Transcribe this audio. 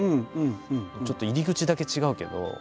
ちょっと入り口だけ違うけど。